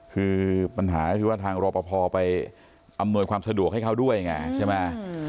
คือปัญหาก็คือว่าทางรอปภไปอำนวยความสะดวกให้เขาด้วยไงใช่ไหม